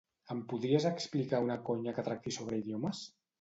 Em podries explicar una conya que tracti sobre idiomes?